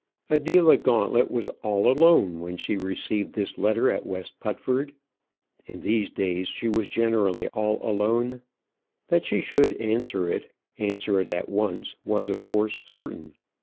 Adela Gauntlet was all alone when she received this letter at West Putford. In these days she generally was all alone. That she should answer it, answer it at once, was of course certain.